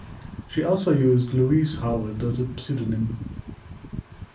She also used Louise Howard as a pseudonym.